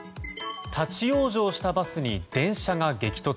立ち往生したバスに電車が激突。